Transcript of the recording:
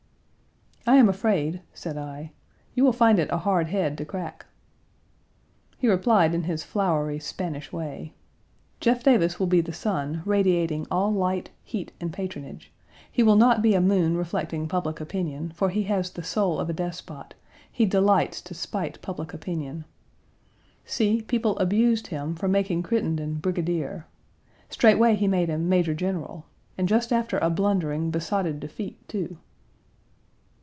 "I am afraid," said I, "you will find it a hard head to crack." He replied in his flowery Spanish way: "Jeff Davis will be the sun, radiating all light, heat, and patronage; he will not be a moon reflecting public opinion, for he has the soul of a despot; he delights to spite public opinion. See, people abused him for making Crittenden brigadier. Straightway he made him major general, and just after a blundering, besotted defeat, too."